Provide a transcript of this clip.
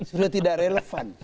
sudah tidak relevan